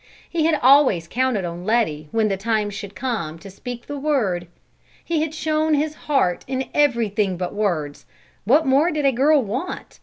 He had always counted on Letty when the time should come to speak the word. He had shown his heart in everything but words; what more did a girl want?